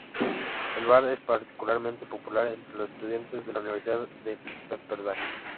El bar es particularmente popular entre los estudiantes de la Universidad de Pepperdine.